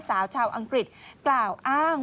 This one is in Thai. สาวชาวอังกฤษกล่าวอ้าง